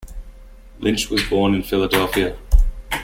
Lynch was born in Philadelphia.